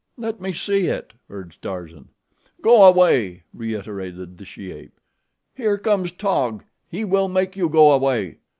"Let me see it," urged Tarzan. "Go away," reiterated the she ape. "Here comes Taug. He will make you go away.